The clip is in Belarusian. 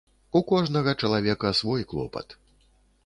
У кожнага чалавека свой клопат.